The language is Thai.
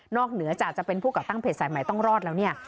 เหนือจากจะเป็นผู้ก่อตั้งเพจสายใหม่ต้องรอดแล้วเนี่ย